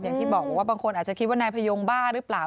อย่างที่บอกว่าบางคนอาจจะคิดว่านายพยงบ้าหรือเปล่า